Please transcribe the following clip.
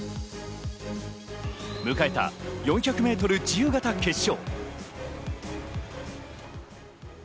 迎えた４００ｍ自由形決勝。